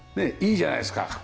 いいじゃないですか。